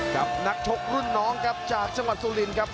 กับนักชกรุ่นน้องครับจากช่างหวานสุลินครับ